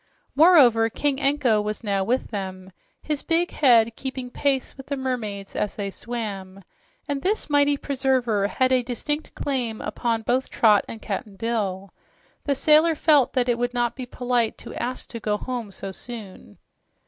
Moreover, King Anko was now with them, his big head keeping pace with the mermaids as they swam, and this mighty preserver had a distinct claim upon Trot and Cap'n Bill. The sailor felt that it would not be polite to ask to go home so soon.